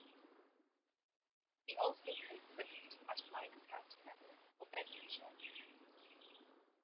He also played cricket at minor counties level for Bedfordshire.